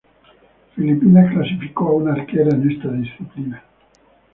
Filipinas clasificó a una arquera en esta disciplina.